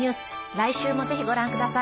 来週もぜひご覧ください。